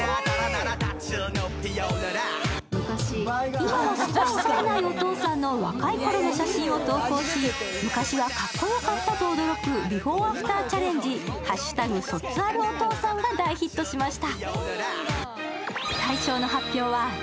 今は少し冴えないお父さんの若い頃の写真を投稿し、昔はかっこよかったと驚くビフォーアフターチャレンジ、「＃卒アルお父さん」が大ヒットしました。